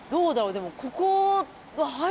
でもここ。